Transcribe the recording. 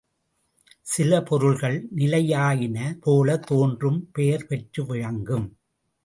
சில பொருள்கள் நிலையாயின போலத் தோன்றும் பெயர் பெற்று விளங்கும்.